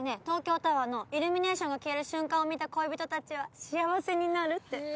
東京タワーのイルミネーションが消える瞬間を見た恋人たちは幸せになるって。